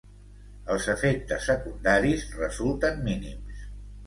Els efectes secundaris resulten mínims.